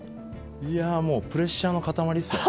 いやもうプレッシャーの塊っすよね。